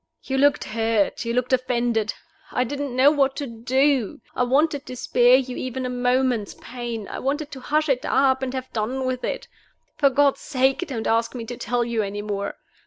You looked hurt; you looked offended; I didn't know what to do. I wanted to spare you even a moment's pain I wanted to hush it up, and have done with it. For God's sake don't ask me to tell you any more!